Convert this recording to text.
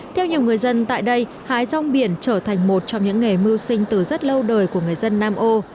theo nhiều người dân tại đây hái rong biển trở thành một trong những nghề mưu sinh từ rất lâu đời của người dân nam ô